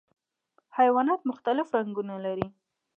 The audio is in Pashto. حیوانات مختلف رنګونه لري.